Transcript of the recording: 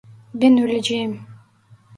Ben öleceğim.